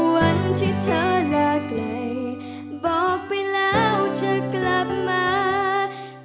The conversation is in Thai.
วันที่เธอลาไกลบอกไปแล้วเธอกลับมา